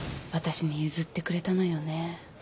私に譲ってくれたのよね。